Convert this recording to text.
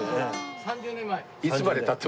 ３０年前。